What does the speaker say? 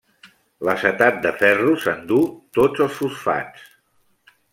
L'acetat de ferro s'endú tot els fosfats.